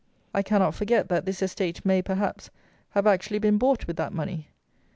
I cannot forget that this estate may, perhaps, have actually been bought with that money.